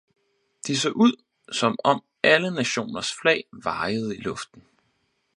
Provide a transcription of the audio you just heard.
De så ud, som om alle nationers flag vajede i luften